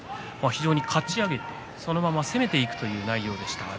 かち上げて、そのまま攻めていくという内容でした。